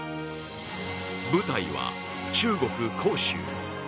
舞台は、中国・杭州。